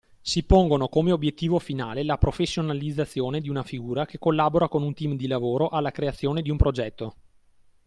Si pongono come obiettivo finale la professionalizzazione di una figura che collabora con un team di lavoro alla creazione di un progetto.